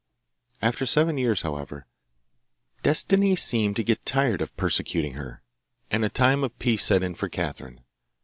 After seven years, however, Destiny seemed to get tired of persecuting her, and a time of peace set in for Catherine.